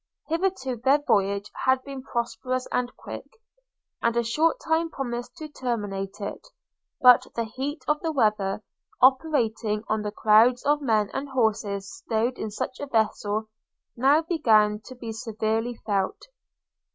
Hitherto their voyage had been prosperous and quick; and a short time promised to terminate it: but the heat of the weather, operating on the crowds of men and of horses stowed in such a vessel, now began to be severely felt.